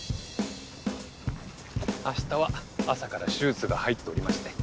あしたは朝から手術が入っておりまして。